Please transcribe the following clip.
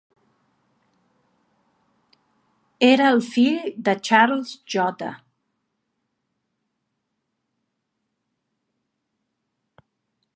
Era el fill de Charles J.